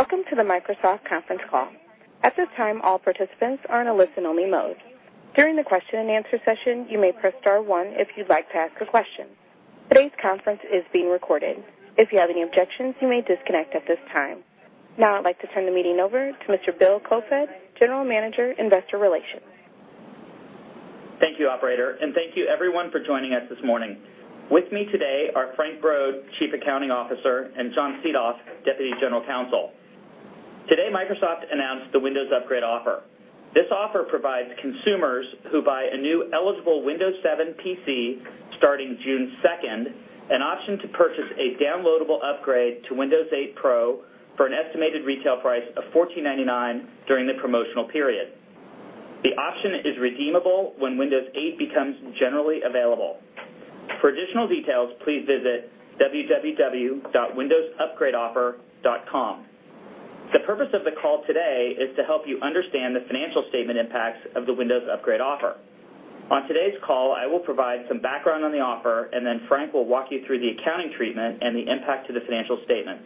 Welcome to the Microsoft conference call. At this time, all participants are in a listen-only mode. During the question and answer session, you may press star one if you'd like to ask a question. Today's conference is being recorded. If you have any objections, you may disconnect at this time. Now I'd like to turn the meeting over to Mr. Bill Koefoed, General Manager, Investor Relations. Thank you, operator, thank you everyone for joining us this morning. With me today are Frank Brod, Chief Accounting Officer, and John Seethoff, Deputy General Counsel. Today, Microsoft announced the Windows Upgrade Offer. This offer provides consumers who buy a new eligible Windows 7 PC starting June 2nd an option to purchase a downloadable upgrade to Windows 8 Pro for an estimated retail price of $14.99 during the promotional period. The option is redeemable when Windows 8 becomes generally available. For additional details, please visit www.windowsupgradeoffer.com. The purpose of the call today is to help you understand the financial statement impacts of the Windows Upgrade Offer. On today's call, I will provide some background on the offer. Then Frank will walk you through the accounting treatment and the impact to the financial statements.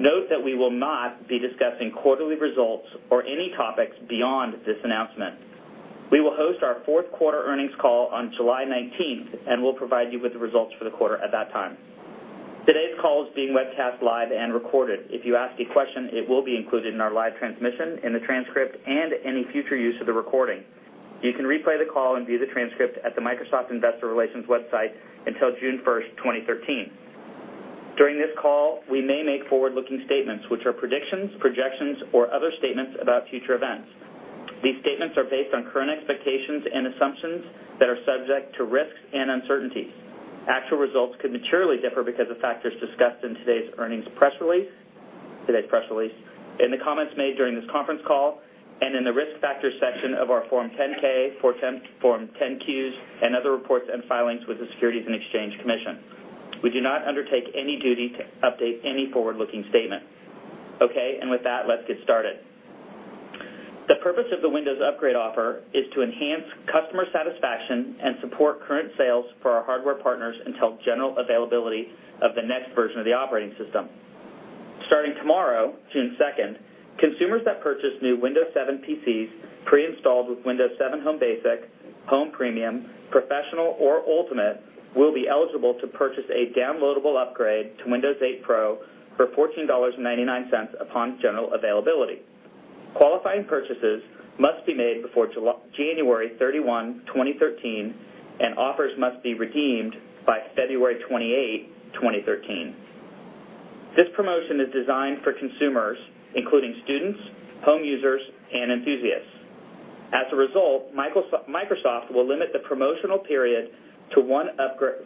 Note that we will not be discussing quarterly results or any topics beyond this announcement. We will host our fourth quarter earnings call on July 19th. We'll provide you with the results for the quarter at that time. Today's call is being webcast live and recorded. If you ask a question, it will be included in our live transmission, in the transcript, and any future use of the recording. You can replay the call and view the transcript at the Microsoft Investor Relations website until June 1st, 2013. During this call, we may make forward-looking statements, which are predictions, projections, or other statements about future events. These statements are based on current expectations and assumptions that are subject to risks and uncertainties. Actual results could materially differ because of factors discussed in today's earnings press release, in the comments made during this conference call, and in the risk factors section of our Form 10-K, Form 10-Qs, and other reports and filings with the Securities and Exchange Commission. We do not undertake any duty to update any forward-looking statement. Okay, with that, let's get started. The purpose of the Windows Upgrade Offer is to enhance customer satisfaction and support current sales for our hardware partners until general availability of the next version of the operating system. Starting tomorrow, June 2nd, consumers that purchase new Windows 7 PCs pre-installed with Windows 7 Home Basic, Home Premium, Professional, or Ultimate will be eligible to purchase a downloadable upgrade to Windows 8 Pro for $14.99 upon general availability. Qualifying purchases must be made before January 31, 2013, and offers must be redeemed by February 28, 2013. This promotion is designed for consumers, including students, home users, and enthusiasts. As a result, Microsoft will limit the promotional price to one upgrade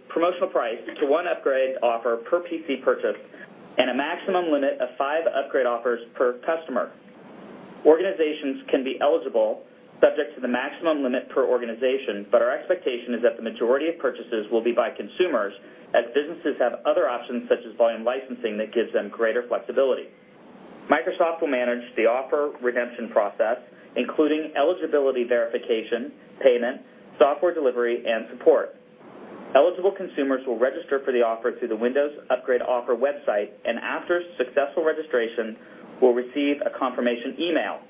offer per PC purchase and a maximum limit of five upgrade offers per customer. Organizations can be eligible subject to the maximum limit per organization, but our expectation is that the majority of purchases will be by consumers as businesses have other options such as volume licensing that gives them greater flexibility. Microsoft will manage the offer redemption process, including eligibility verification, payment, software delivery, and support. Eligible consumers will register for the offer through the Windows Upgrade Offer website and after successful registration, will receive a confirmation email.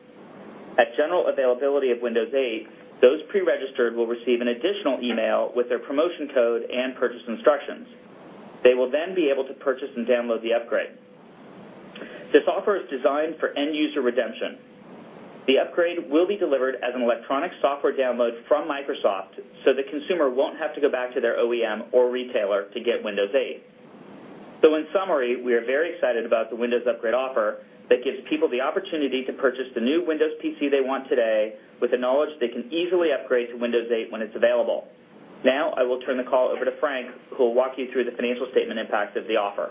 At general availability of Windows 8, those pre-registered will receive an additional email with their promotion code and purchase instructions. They will then be able to purchase and download the upgrade. This offer is designed for end user redemption. The upgrade will be delivered as an electronic software download from Microsoft, so the consumer won't have to go back to their OEM or retailer to get Windows 8. In summary, we are very excited about the Windows Upgrade Offer that gives people the opportunity to purchase the new Windows PC they want today with the knowledge they can easily upgrade to Windows 8 when it's available. Now, I will turn the call over to Frank, who will walk you through the financial statement impact of the offer.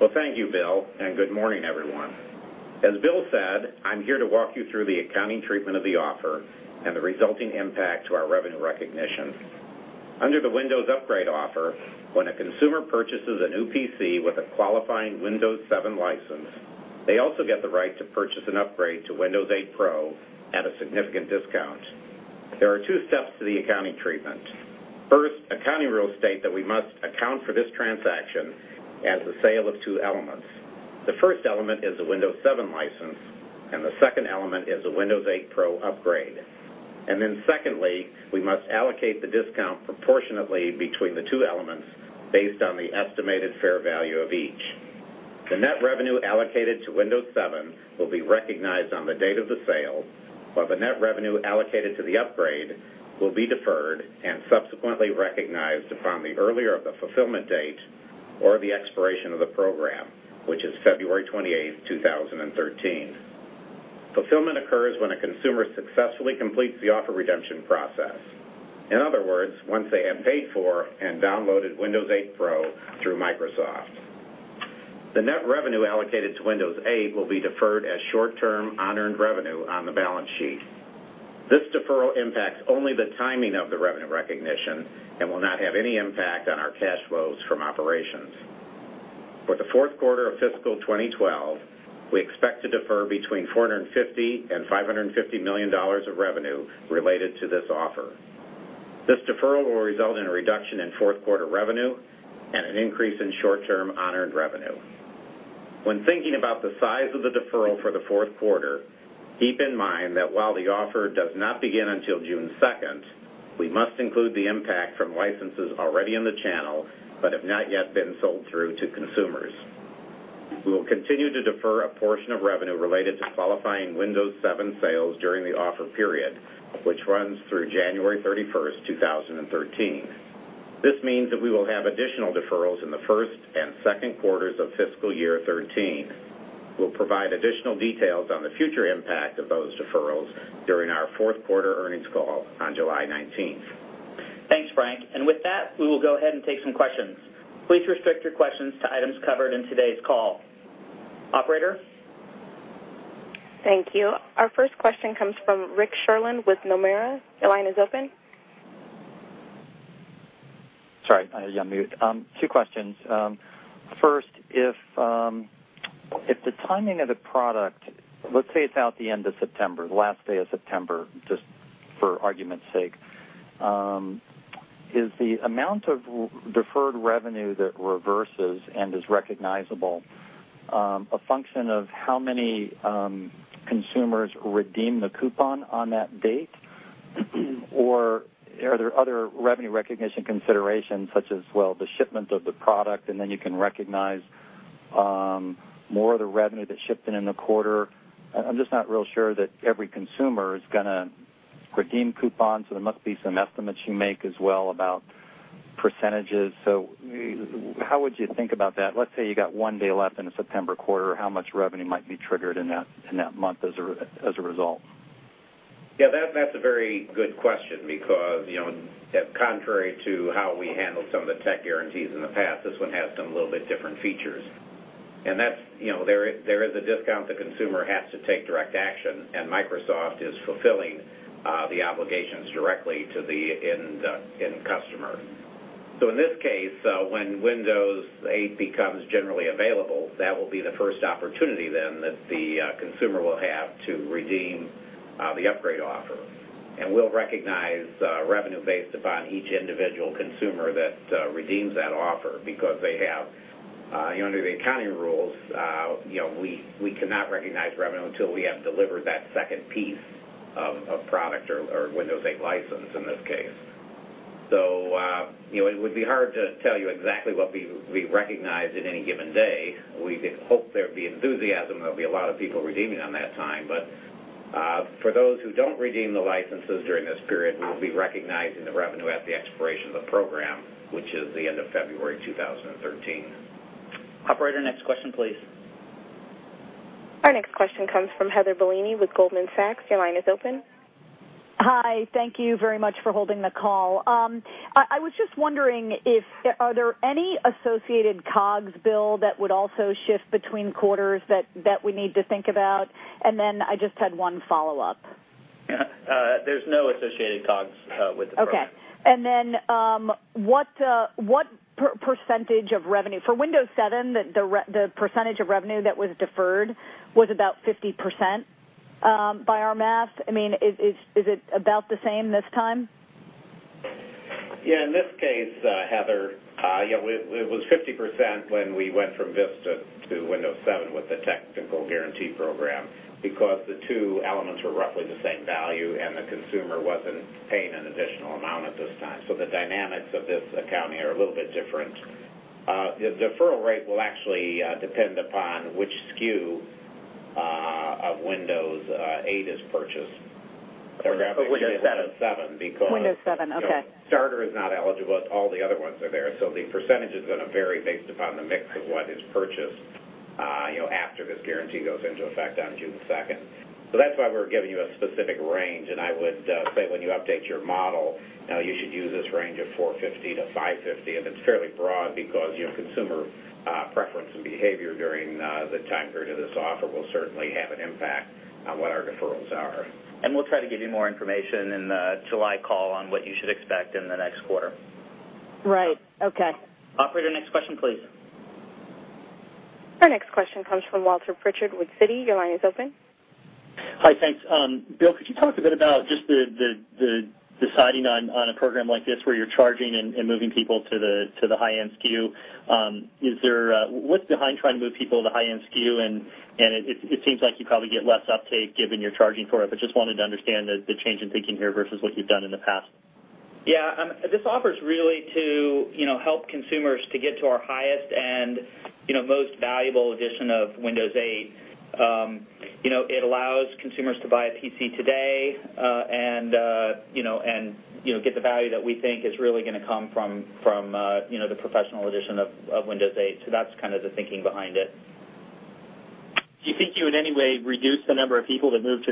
Well, thank you, Bill, and good morning, everyone. As Bill said, I'm here to walk you through the accounting treatment of the offer and the resulting impact to our revenue recognition. Under the Windows Upgrade Offer, when a consumer purchases a new PC with a qualifying Windows 7 license, they also get the right to purchase an upgrade to Windows 8 Pro at a significant discount. There are two steps to the accounting treatment. First, accounting rules state that we must account for this transaction as the sale of two elements. The first element is the Windows 7 license, and the second element is the Windows 8 Pro upgrade. Secondly, we must allocate the discount proportionately between the two elements based on the estimated fair value of each. The net revenue allocated to Windows 7 will be recognized on the date of the sale, while the net revenue allocated to the upgrade will be deferred and subsequently recognized upon the earlier of the fulfillment date or the expiration of the program, which is February 28th, 2013. Fulfillment occurs when a consumer successfully completes the offer redemption process. In other words, once they have paid for and downloaded Windows 8 Pro through Microsoft. The net revenue allocated to Windows 8 will be deferred as short-term unearned revenue on the balance sheet. This deferral impacts only the timing of the revenue recognition and will not have any impact on our cash flows from operations. For the fourth quarter of fiscal 2012, we expect to defer between $450 million and $550 million of revenue related to this offer. This deferral will result in a reduction in fourth quarter revenue and an increase in short-term unearned revenue. When thinking about the size of the deferral for the fourth quarter, keep in mind that while the offer does not begin until June 2nd, we must include the impact from licenses already in the channel, but have not yet been sold through to consumers. We will continue to defer a portion of revenue related to qualifying Windows 7 sales during the offer period, which runs through January 31st, 2013. This means that we will have additional deferrals in the first and second quarters of fiscal year 2013. We will provide additional details on the future impact of those deferrals during our fourth quarter earnings call on July 19th. Thanks, Frank. With that, we will go ahead and take some questions. Please restrict your questions to items covered in today's call. Operator? Thank you. Our first question comes from Rick Sherlund with Nomura. Your line is open. Sorry, I hit unmute. Two questions. First, if the timing of the product, let's say it's out the end of September, the last day of September, just for argument's sake. Is the amount of deferred revenue that reverses and is recognizable a function of how many consumers redeem the coupon on that date? Are there other revenue recognition considerations such as well, the shipment of the product, and then you can recognize more of the revenue that's shipped in the quarter? I'm just not real sure that every consumer is going to redeem coupons, so there must be some estimates you make as well about percentages. How would you think about that? Let's say you got one day left in a September quarter, how much revenue might be triggered in that month as a result? Yeah, that's a very good question because, contrary to how we handled some of the Tech Guarantees in the past, this one has some little bit different features. There is a discount. Microsoft is fulfilling the obligations directly to the end customer. In this case, when Windows 8 becomes generally available, that will be the first opportunity then that the consumer will have to redeem the Windows Upgrade Offer. We'll recognize revenue based upon each individual consumer that redeems that offer because they have, under the accounting rules, we cannot recognize revenue until we have delivered that second piece of product or Windows 8 license in this case. It would be hard to tell you exactly what we recognize at any given day. We hope there'd be enthusiasm, there'll be a lot of people redeeming on that time. For those who don't redeem the licenses during this period, we will be recognizing the revenue at the expiration of the program, which is the end of February 2013. Operator, next question, please. Our next question comes from Heather Bellini with Goldman Sachs. Your line is open. Hi. Thank you very much for holding the call. I was just wondering if are there any associated COGS, Bill Koefoed, that would also shift between quarters that we need to think about? I just had one follow-up. There's no associated COGS with the program. Okay. What percentage of revenue-- for Windows 7, the percentage of revenue that was deferred was about 50%, by our math. Is it about the same this time? Yeah. In this case, Heather, it was 50% when we went from Vista to Windows 7 with the Windows Upgrade Option because the two elements were roughly the same value and the consumer wasn't paying an additional amount at this time. The dynamics of this accounting are a little bit different. The deferral rate will actually depend upon which SKU of Windows 8 is purchased. Windows 7. Windows 7. Windows 7. Okay Starter is not eligible. All the other ones are there. The % is going to vary based upon the mix of what is purchased after this guarantee goes into effect on June 2nd. That's why we're giving you a specific range, and I would say when you update your model, you should use this range of $450-$550. It's fairly broad because consumer preference and behavior during the time period of this offer will certainly have an impact on what our deferrals are. We'll try to give you more information in the July call on what you should expect in the next quarter. Right. Okay. Operator, next question, please. Our next question comes from Walter Pritchard with Citi. Your line is open. Hi, thanks. Bill, could you talk a bit about just the deciding on a program like this where you're charging and moving people to the high-end SKU? What's behind trying to move people to high-end SKU, and it seems like you probably get less uptake given you're charging for it, but just wanted to understand the change in thinking here versus what you've done in the past? Yeah. This offer's really to help consumers to get to our highest and most valuable edition of Windows 8. It allows consumers to buy a PC today and get the value that we think is really going to come from the Professional edition of Windows 8. That's kind of the thinking behind it. Do you think you in any way reduce the number of people that move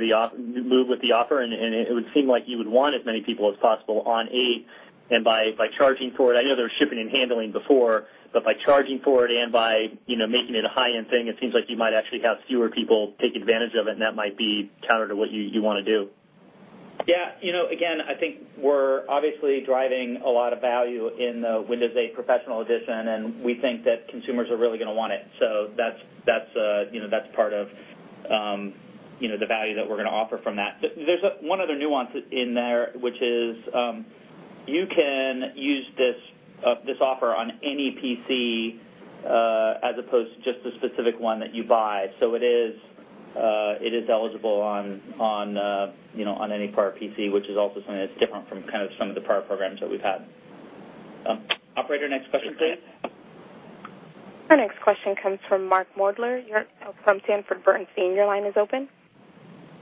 with the offer? It would seem like you would want as many people as possible on 8 and by charging for it. I know there was shipping and handling before, but by charging for it and by making it a high-end thing, it seems like you might actually have fewer people take advantage of it, and that might be counter to what you want to do. Yeah. Again, I think we're obviously driving a lot of value in the Windows 8 Professional edition, and we think that consumers are really going to want it. That's part of the value that we're going to offer from that. There's one other nuance in there, which is, you can use this offer on any PC as opposed to just the specific one that you buy. It is eligible on any prior PC, which is also something that's different from some of the prior programs that we've had. Operator, next question, please. Our next question comes from Mark Moerdler, from Sanford Bernstein. Your line is open.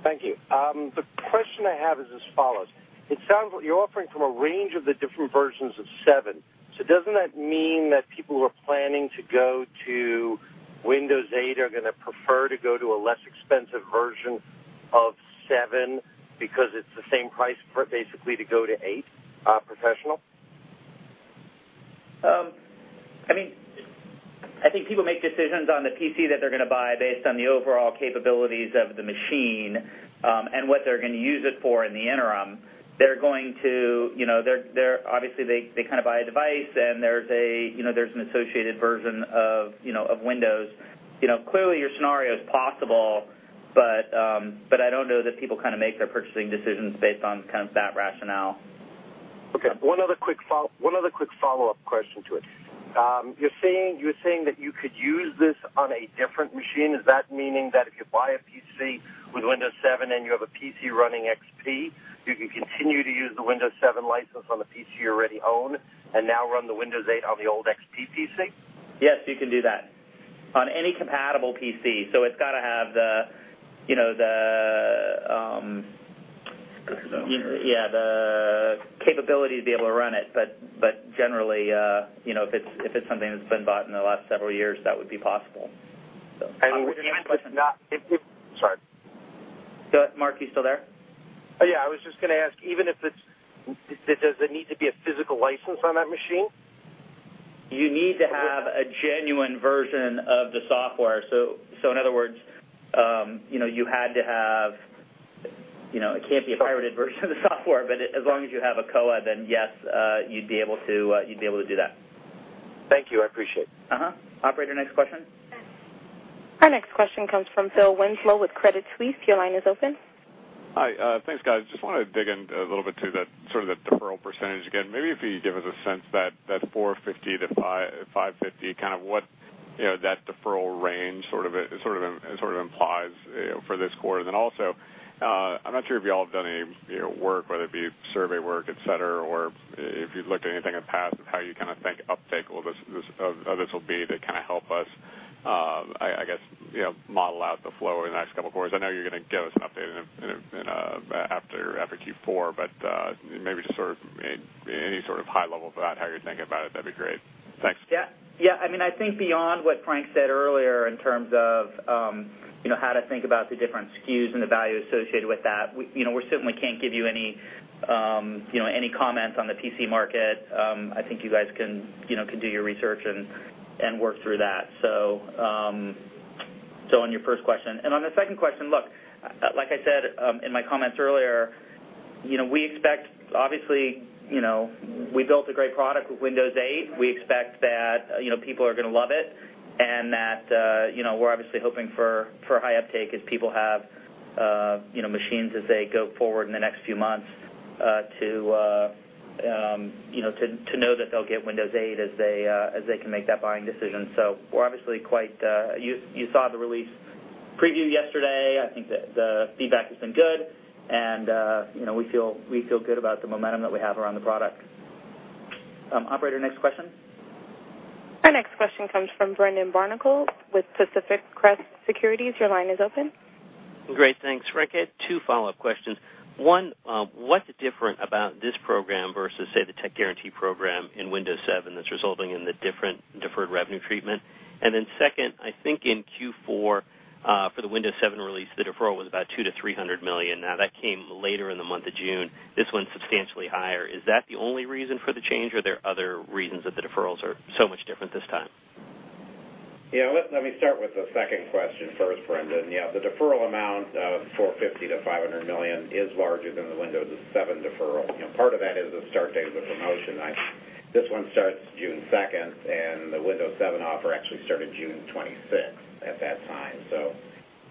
Thank you. The question I have is as follows. It sounds like you're offering from a range of the different versions of 7. Doesn't that mean that people who are planning to go to Windows 8 are going to prefer to go to a less expensive version of 7 because it's the same price, basically, to go to 8 Professional? I think people make decisions on the PC that they're going to buy based on the overall capabilities of the machine, and what they're going to use it for in the interim. Obviously, they buy a device, and there's an associated version of Windows. Clearly, your scenario's possible, but I don't know that people make their purchasing decisions based on that rationale. Okay. One other quick follow-up question to it. You're saying that you could use this on a different machine. Is that meaning that if you buy a PC with Windows 7 and you have a PC running XP, you can continue to use the Windows 7 license on the PC you already own and now run the Windows 8 on the old XP PC? Yes, you can do that. On any compatible PC. It's got to have the capability to be able to run it. Generally, if it's something that's been bought in the last several years, that would be possible. Even Sorry. Mark, you still there? Yeah, I was just going to ask, does there need to be a physical license on that machine? You need to have a genuine version of the software. In other words, it can't be a pirated version of the software. As long as you have a COA, then yes, you'd be able to do that. Thank you. I appreciate it. Operator, next question. Our next question comes from Phil Winslow with Credit Suisse. Your line is open. Hi. Thanks, guys. Just wanted to dig in a little bit to that deferral percentage again. Maybe if you give us a sense that $450-$550, what that deferral range implies for this quarter. Also, I'm not sure if you all have done any work, whether it be survey work, et cetera, or if you'd looked at anything in the past of how you think uptake of this will be that help us model out the flow in the next couple of quarters. I know you're going to give us an update after Q4, but maybe just any sort of high level about how you're thinking about it, that'd be great. Thanks. Yeah. I think beyond what Frank said earlier in terms of how to think about the different SKUs and the value associated with that, we certainly can't give you any comments on the PC market. I think you guys can do your research and work through that. On your first question. On the second question, look, like I said in my comments earlier, obviously, we built a great product with Windows 8. We expect that people are going to love it, and that we're obviously hoping for high uptake as people have machines as they go forward in the next few months to know that they'll get Windows 8 as they can make that buying decision. You saw the Release Preview yesterday. I think the feedback has been good, and we feel good about the momentum that we have around the product. Operator, next question. Our next question comes from Brendan Barnicle with Pacific Crest Securities. Your line is open. Great. Thanks. Frank, I had two follow-up questions. One, what's different about this program versus, say, the Tech Guarantee program in Windows 7 that's resulting in the different deferred revenue treatment? Second, I think in Q4 for the Windows 7 release, the deferral was about $200 million-$300 million. Now, that came later in the month of June. This one's substantially higher. Is that the only reason for the change, or are there other reasons that the deferrals are so much different this time? Let me start with the second question first, Brendan. Yeah, the deferral amount of $450 million to $500 million is larger than the Windows 7 deferral. Part of that is the start date of the promotion. This one starts June 2nd, and the Windows 7 offer actually started June 26th at that time.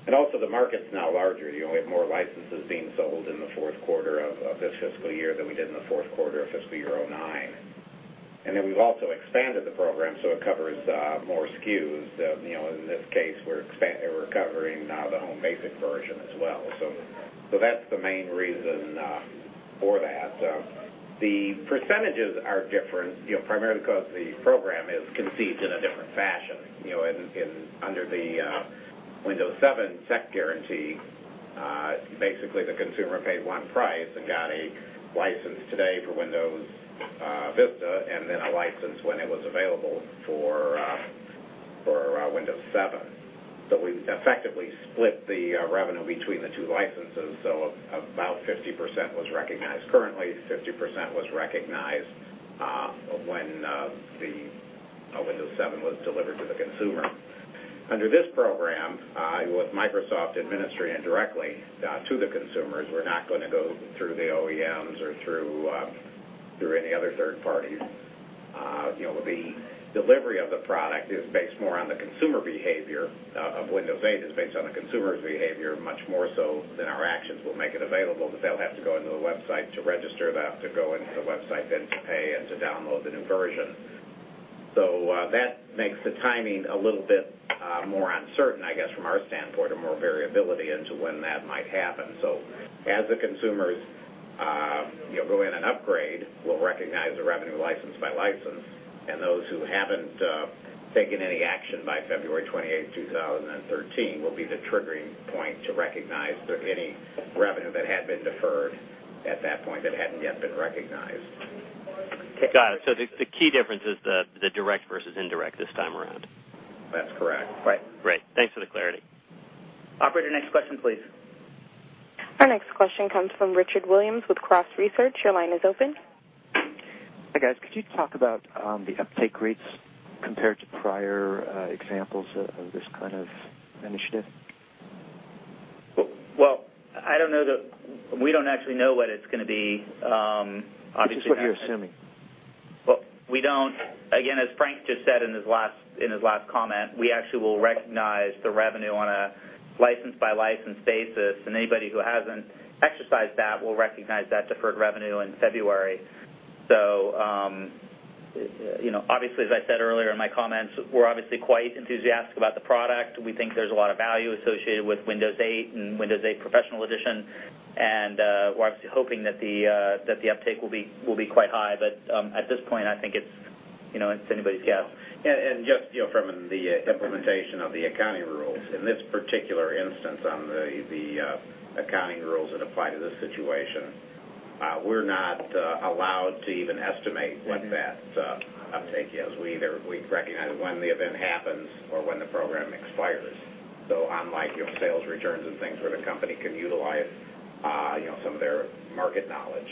Also, the market is now larger. We have more licenses being sold in the fourth quarter of this fiscal year than we did in the fourth quarter of fiscal year 2009. Then we've also expanded the program so it covers more SKUs. In this case, we're covering the Home Basic version as well. That's the main reason for that. The percentages are different, primarily because the program is conceived in a different fashion. Under the Windows 7 Tech Guarantee, basically the consumer paid one price and got a license today for Windows Vista and then a license when it was available for Windows 7. We effectively split the revenue between the two licenses. About 50% was recognized currently, 50% was recognized when the Windows 7 was delivered to the consumer. Under this program, with Microsoft administering it directly to the consumers, we're not going to go through the OEMs or through any other third parties. The delivery of the product is based more on the consumer behavior of Windows 8. It's based on the consumer's behavior much more so than our actions will make it available, because they'll have to go into the website to register that, to go into the website then to pay and to download the new version. That makes the timing a little bit more uncertain, I guess, from our standpoint, or more variability into when that might happen. As the consumers go in and upgrade, we'll recognize the revenue license by license, and those who haven't taken any action by February 28th, 2013, will be the triggering point to recognize any revenue that had been deferred at that point that hadn't yet been recognized. Got it. The key difference is the direct versus indirect this time around. That's correct. Right. Great. Thanks for the clarity. Operator, next question, please. Our next question comes from Richard Williams with Cross Research. Your line is open. Hi, guys. Could you talk about the uptake rates compared to prior examples of this kind of initiative? Well, we don't actually know what it's going to be. Just what you're assuming. Well, we don't. Again, as Frank just said in his last comment, we actually will recognize the revenue on a license-by-license basis, and anybody who hasn't exercised that, we'll recognize that deferred revenue in February. Obviously, as I said earlier in my comments, we're obviously quite enthusiastic about the product. We think there's a lot of value associated with Windows 8 and Windows 8 Professional Edition, and we're obviously hoping that the uptake will be quite high. At this point, I think it's anybody's guess. Just from the implementation of the accounting rules, in this particular instance on the accounting rules that apply to this situation, we're not allowed to even estimate what that uptake is. We recognize it when the event happens or when the program expires. Unlike your sales returns and things where the company can utilize some of their market knowledge,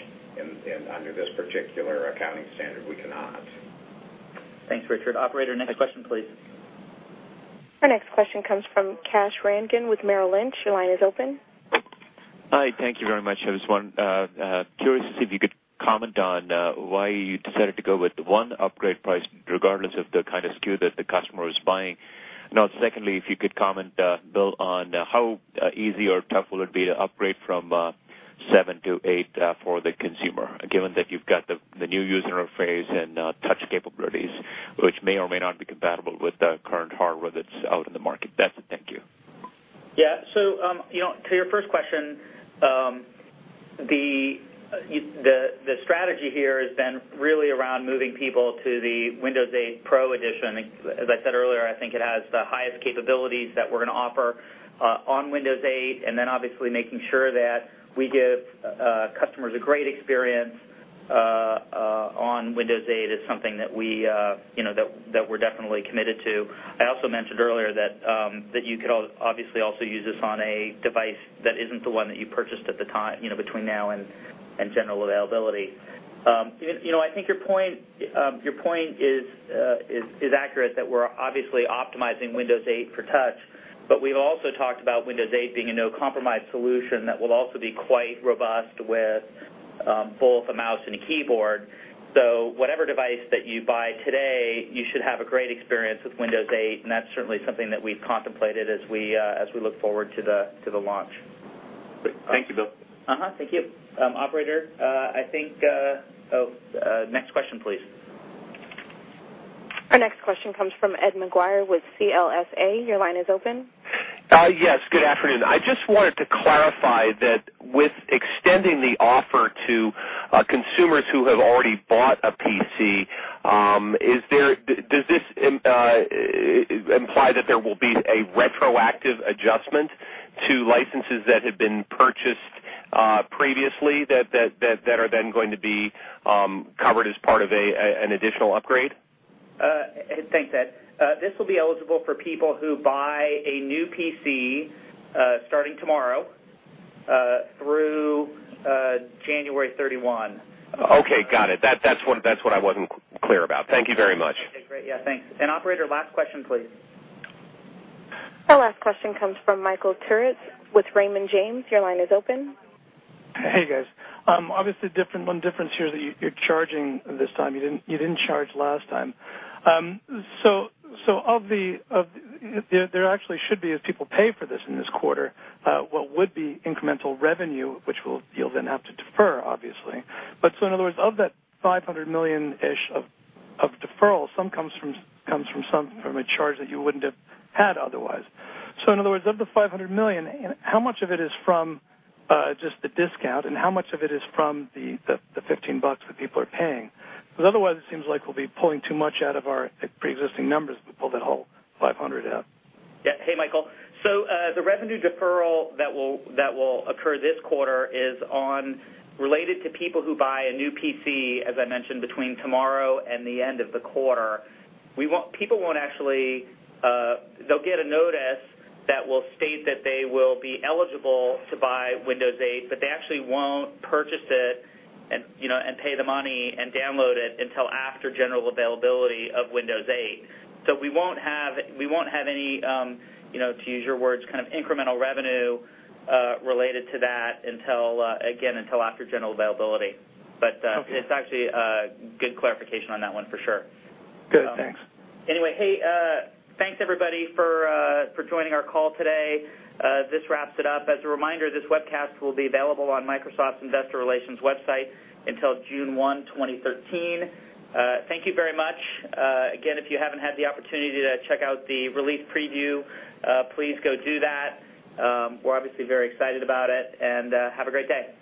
under this particular accounting standard, we cannot. Thanks, Richard. Operator, next question, please. Our next question comes from Kash Rangan with Merrill Lynch. Your line is open. Hi. Thank you very much. I was curious if you could comment on why you decided to go with one upgrade price regardless of the kind of SKU that the customer is buying. Secondly, if you could comment, Bill, on how easy or tough will it be to upgrade from 7 to 8 for the consumer, given that you've got the new user interface and touch capabilities, which may or may not be compatible with the current hardware that's out in the market. That's it. Thank you. Yeah. To your first question, the strategy here has been really around moving people to the Windows 8 Pro edition. As I said earlier, I think it has the highest capabilities that we're going to offer on Windows 8, obviously making sure that we give customers a great experience on Windows 8 is something that we're definitely committed to. I also mentioned earlier that you could obviously also use this on a device that isn't the one that you purchased between now and general availability. I think your point is accurate, that we're obviously optimizing Windows 8 for touch. We've also talked about Windows 8 being a no-compromise solution that will also be quite robust with both a mouse and a keyboard. Whatever device that you buy today, you should have a great experience with Windows 8, and that's certainly something that we've contemplated as we look forward to the launch. Thank you, Bill. Thank you. Operator, next question, please. Our next question comes from Edward Maguire with CLSA. Your line is open. Yes, good afternoon. I just wanted to clarify that with extending the offer to consumers who have already bought a PC, does this imply that there will be a retroactive adjustment to licenses that have been purchased previously that are then going to be covered as part of an additional upgrade? Thanks, Ed. This will be eligible for people who buy a new PC starting tomorrow through January 31. Okay, got it. That's what I wasn't clear about. Thank you very much. Okay, great. Yeah, thanks. Operator, last question, please. Our last question comes from Michael Turits with Raymond James. Your line is open. Hey, guys. Obviously, one difference here is that you're charging this time. You didn't charge last time. There actually should be, as people pay for this in this quarter, what would be incremental revenue, which you'll then have to defer, obviously. In other words, of that $500 million-ish of deferral, some comes from a charge that you wouldn't have had otherwise. In other words, of the $500 million, how much of it is from just the discount, and how much of it is from the $15 that people are paying? Otherwise, it seems like we'll be pulling too much out of our preexisting numbers if we pull that whole $500 out. Yeah. Hey, Michael. The revenue deferral that will occur this quarter is related to people who buy a new PC, as I mentioned, between tomorrow and the end of the quarter. They'll get a notice that will state that they will be eligible to buy Windows 8, but they actually won't purchase it and pay the money and download it until after general availability of Windows 8. We won't have any, to use your words, kind of incremental revenue related to that, again, until after general availability. Okay. It's actually a good clarification on that one for sure. Good, thanks. Hey, thanks everybody for joining our call today. This wraps it up. As a reminder, this webcast will be available on Microsoft's Investor Relations website until June 1, 2013. Thank you very much. Again, if you haven't had the opportunity to check out the release preview, please go do that. We're obviously very excited about it, and have a great day.